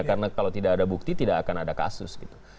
karena kalau tidak ada bukti tidak akan ada kasus